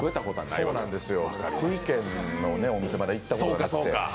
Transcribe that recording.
そうなんですよ、福井県のお店にまだ行ったことなくて。